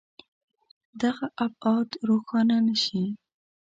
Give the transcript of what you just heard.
دغه ابعاد روښانه نه شي.